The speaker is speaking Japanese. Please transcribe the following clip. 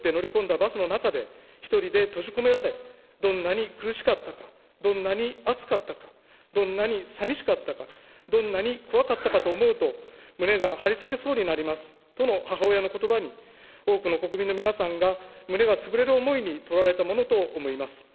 バスの中で、１人で閉じ込められ、どんなに苦しかったか、どんなに暑かったか、どんなにさみしかったか、どんなに怖かったかと思うと、胸が張り裂けそうになりますとの母親のことばに、多くの国民の皆さんが、胸が潰れる思いにとらわれたものと思います。